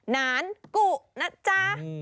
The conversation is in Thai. นานกุนะจ๊ะ